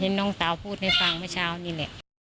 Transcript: เห็นน้องเตาพูดให้ฟังเมื่อเช้านี้เนี่ย